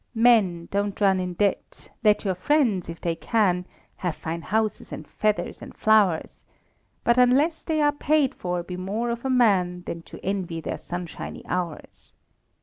Men, don't run in debt let your friends, if they can. Have fine houses, and feathers, and flowers: But, unless they are paid for, be more of a man Than to envy their sunshiny hours.